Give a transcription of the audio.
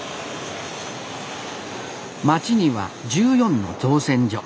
町には１４の造船所。